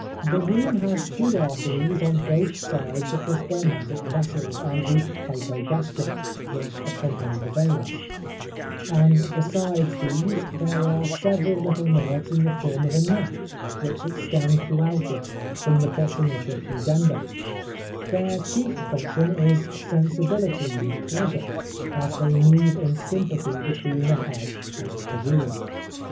] [Illustration: The action of quickening] The womb has two arteries on both sides of the spermatic vessels and the hypogastric, which accompany the veins; and besides these, there are several little nerves in the form of a net, which extend throughout it, from the bottom of the pudenda; their chief function is sensibility and pleasure, as they move in sympathy between the head and the womb.